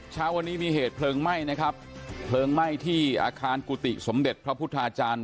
เช้าวันนี้มีเหตุเพลิงไหม้ที่อาคารกุฏิสมเด็จพระพุทธาจารย์